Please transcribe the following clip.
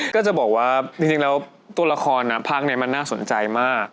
ก็จะบอกว่าจริงแล้วตัวละครภาคนี้มันน่าสนใจมาก